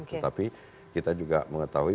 tetapi kita juga mengetahui